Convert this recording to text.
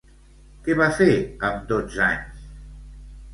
Què va fer amb dotze anys?